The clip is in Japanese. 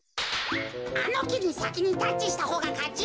あのきにさきにタッチしたほうがかち。